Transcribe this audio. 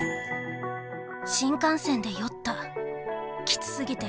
新幹線で酔った。